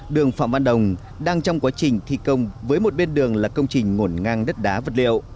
đường phạm văn đồng đang trong quá trình thi công với một bên đường là công trình ngổn ngang đất đá vật liệu